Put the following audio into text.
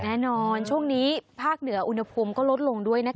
ช่วงนี้ภาคเหนืออุณหภูมิก็ลดลงด้วยนะคะ